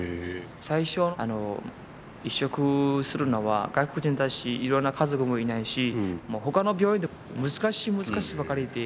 最初、あの移植するのは外国人だしいろんな家族もいないし他の病院で難しい難しいばっかりで。